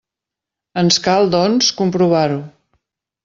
Ens cal, doncs, comprovar-ho.